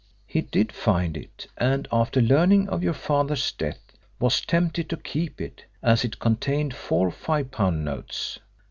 He did find it, and after learning of your father's death was tempted to keep it, as it contained four five pound notes.